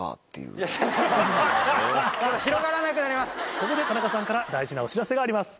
ここで田中さんから大事なお知らせがあります。